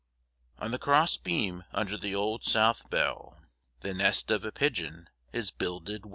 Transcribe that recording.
On the cross beam under the Old South bell The nest of a pigeon is builded well.